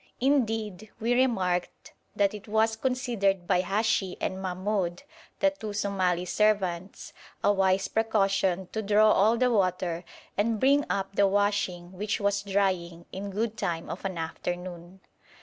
Indeed, we remarked that it was considered by Hashi and Mahmoud, the two Somali servants, a wise precaution to draw all the water and bring up the washing, which was drying, in good time of an afternoon.